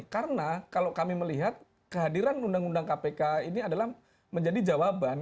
karena kalau kami melihat kehadiran undang undang kpk ini adalah menjadi jawaban